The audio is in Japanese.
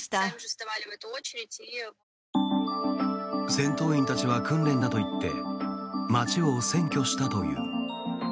戦闘員たちは訓練だと言って街を占拠したという。